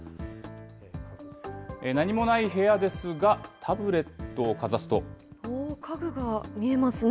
何もない部屋ですが、タブレット家具が見えますね。